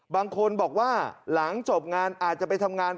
บางคนบอกว่าหลังจบงานอาจจะไปทำงาน